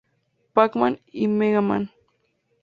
Pac-Man y Mega Man.